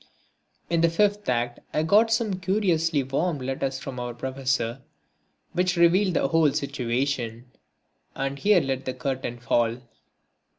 In the fifth act I got some curiously warm letters from our Professor which revealed the whole situation. And here let the curtain fall.